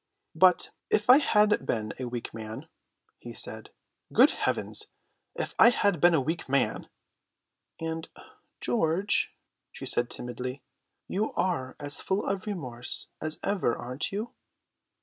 "But if I had been a weak man," he said. "Good heavens, if I had been a weak man!" "And, George," she said timidly, "you are as full of remorse as ever, aren't you?"